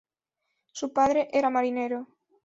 Su padre era marinero.